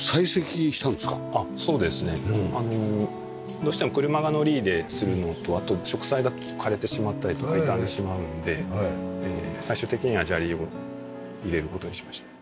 どうしても車が乗り入れするのとあと植栽が枯れてしまったりとか傷んでしまうので最終的には砂利を入れる事にしました。